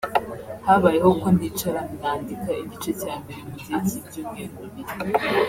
Habayeho ko nicara nandika igice cya mbere mu gihe cy’ibyumweru bibiri